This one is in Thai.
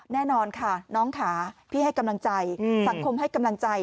แน่นอนค่ะน้องค่ะพี่ให้กำลังใจสังคมให้กำลังใจ